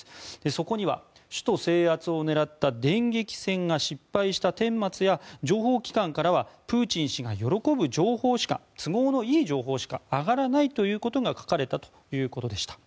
そこには首都制圧を狙った電撃戦が失敗した顛末や情報機関からはプーチン氏が喜ぶ情報しか都合のいい情報しか上がらないということが書かれたということでした。